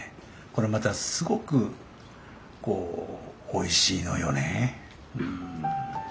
これまたすごくこうおいしいのよねうん。